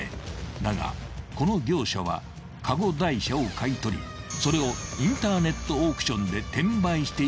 ［だがこの業者はカゴ台車を買い取りそれをインターネットオークションで転売していただけだった］